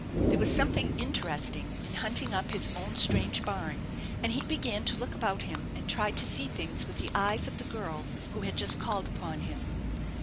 There was something interesting in hunting up his own strange barn, and he began to look about him and try to see things with the eyes of the girl who had just called upon him.